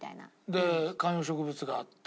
で観葉植物があって。